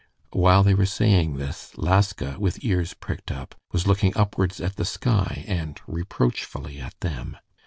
While they were saying this, Laska, with ears pricked up, was looking upwards at the sky, and reproachfully at them.